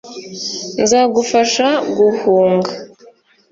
nzagufasha guhunga